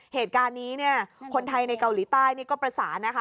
เหตุการณ์นี้เนี่ยคนไทยในเกาหลีใต้นี่ก็ประสานนะคะ